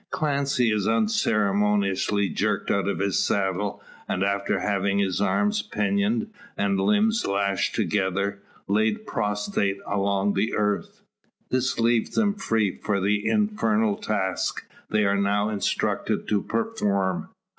Clancy is unceremoniously jerked out of his saddle; and, after having his arms pinioned, and limbs lashed together, laid prostrate along the earth. This leaves them free for the infernal task, they are now instructed to perform.